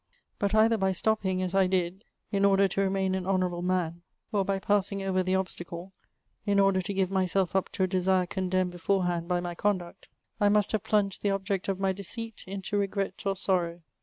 But either by stopping, as I did, in order to remain an honourable man, or by passing over the obstacle, in order to give myself up to a desire condemned beforehand by my conduct, I must have plunged the object of my deceit into regret or sorrow.